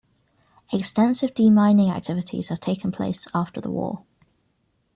Extensive de-mining activities have taken place after the war.